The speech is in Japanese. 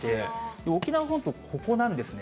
沖縄本島、ここなんですね。